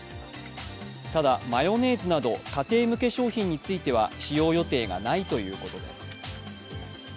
ただ、マヨネーズなど家庭向け商品については使用予定がないということです。